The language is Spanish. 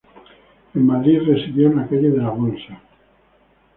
En Madrid, residió en la calle de la Bolsa.